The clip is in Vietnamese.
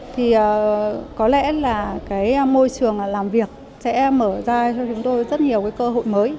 thì có lẽ là cái môi trường làm việc sẽ mở ra cho chúng tôi rất nhiều cái cơ hội mới